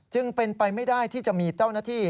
จึงเป็นไปไม่ได้ที่จะมีเจ้าหน้าที่